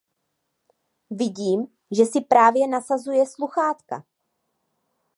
Vidím, že si právě nasazuje sluchátka.